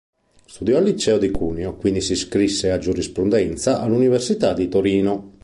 Studiò al liceo di Cuneo, quindi si iscrisse a Giurisprudenza all'università di Torino.